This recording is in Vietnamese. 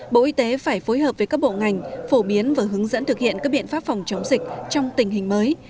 bộ y tế phải phối hợp với các bộ ngành phổ biến và hướng dẫn thực hiện các biện pháp phòng chống dịch trong tình hình mới